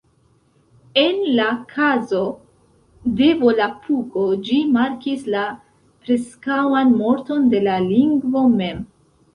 En la kazo de Volapuko ĝi markis la preskaŭan morton de la lingvo mem